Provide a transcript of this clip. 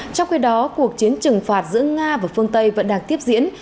trong khi đó cuộc chiến trừng phạt giữa nga và phương tây vẫn đang tiếp diễn